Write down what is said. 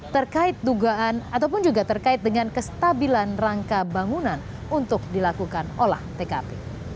terkait dugaan ataupun juga terkait dengan kestabilan rangka bangunan untuk dilakukan olah tkp